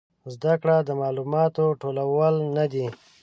زده کړه د معلوماتو ټولول نه دي